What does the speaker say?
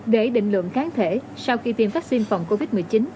để định lượng kháng thể sau khi tiêm vaccine phòng covid một mươi chín